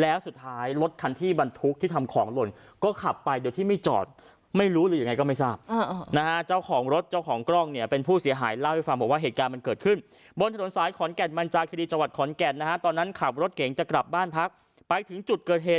แล้วสุดท้ายรถคันที่บรรทุกที่ทำของหล่นก็ขับไปโดยที่ไม่จอดไม่รู้หรือยังไงก็ไม่ทราบนะฮะเจ้าของรถเจ้าของกล้องเนี่ยเป็นผู้เสียหายเล่าให้ฟังบอกว่าเหตุการณ์มันเกิดขึ้นบนถนนสายขอนแก่นมันจาคิรีจังหวัดขอนแก่นนะฮะตอนนั้นขับรถเก๋งจะกลับบ้านพักไปถึงจุดเกิดเหตุ